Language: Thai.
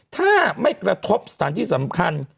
ถ้าไม่กระทบสถานที่สำคัญ